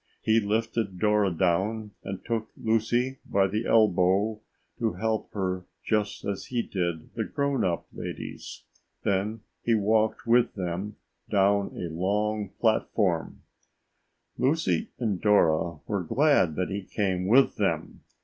He lifted Dora down and took Lucy by the elbow to help her just as he did the grown up ladies. Then he walked with them down a long platform. Lucy and Dora were glad that he came with them.